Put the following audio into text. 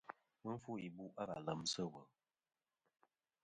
Mɨ fu ibu' a va lem sɨ̂ wul.